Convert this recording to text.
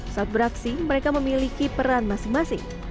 saat beraksi mereka memiliki peran masing masing